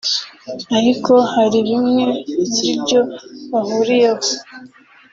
ariko hari bimwe muri byo bahuriyeho